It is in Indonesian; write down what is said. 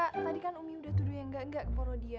tadi kan umi udah tuduh yang gak gak ke poro dia